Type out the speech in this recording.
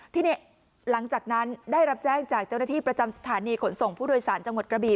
ทีนี้หลังจากนั้นได้รับแจ้งจากเจ้าหน้าที่ประจำสถานีขนส่งผู้โดยสารจังหวัดกระบี